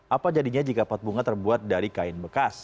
apa jadinya jika pot bunga terbuat dari kain bekas